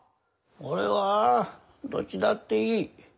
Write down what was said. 俺はどっちだっていい。